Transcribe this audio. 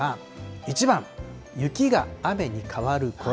１番、雪が雨に変わるころ。